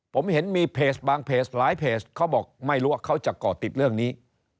ผมเห็นมีเพจบางเพจหลายเพจเขาบอกไม่รู้ว่าเขาจะก่อติดเรื่องนี้